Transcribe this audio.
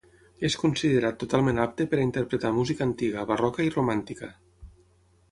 És considerat totalment apte per a interpretar música antiga, barroca i romàntica.